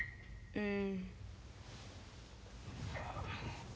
うん。